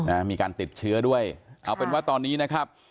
นะมีการติดเชื้อด้วยเอาเป็นว่าตอนนี้นะครับ